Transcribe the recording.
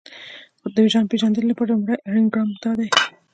د ځان پېژندنې لپاره لومړی اړين ګام دا دی.